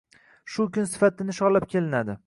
Shu kun sifatida nishonlab kelinadi.